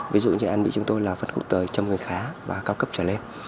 ví dụ như anh bị chúng tôi là phân khúc tời trong người khá và cao cấp trở lên